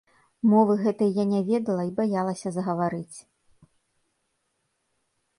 Мовы гэтай я не ведала й баялася загаварыць.